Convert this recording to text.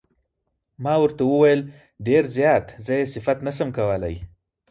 ما ورته وویل: ډېر زیات، زه یې صفت نه شم کولای.